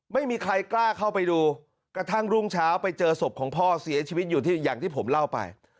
ไม่มีใครกล้าเข้าไปดูกระทั่งรุ่งเช้าไปเจอศพของพ่อเสียชีวิตอยู่ที่อย่างที่ผมเล่าไป